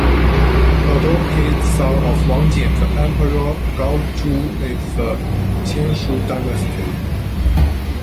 The adopted son of Wang Jian, the Emperor Gao Zu of the Qianshu Dynasty.